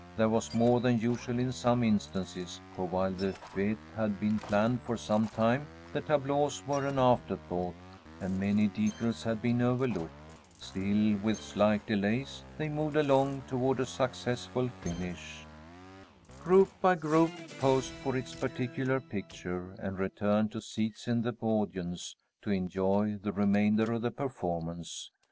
There was more than usual in some instances, for while the fête had been planned for some time, the tableaux were an afterthought, and many details had been overlooked. Still, with slight delays, they moved along toward a successful finish. Group by group posed for its particular picture and returned to seats in the audience to enjoy the remainder of the performance.